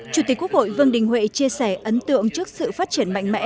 chủ tịch quốc hội vương đình huệ chia sẻ ấn tượng trước sự phát triển mạnh mẽ